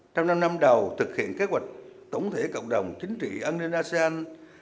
trong năm năm đầu thực hiện kế hoạch tổng thể cộng đồng chính trị an ninh asean hai nghìn hai mươi năm